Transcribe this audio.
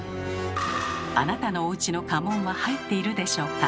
あなたのおうちの家紋は入っているでしょうか？